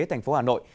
thành phố hà nội